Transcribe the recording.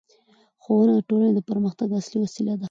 ښوونه د ټولنې د پرمختګ اصلي وسیله ده